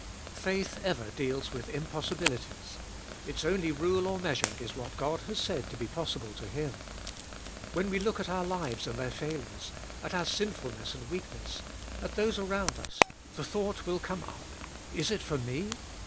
Faith ever deals with impossibilities. Its only rule or measure is what God has said to be possible to Him. When we look at our lives and their failures, at our sinfulness and weakness, at those around us, the thought will come up — Is it for me